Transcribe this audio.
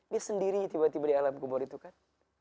dia sendiri tiba tiba di alam kubur itu kan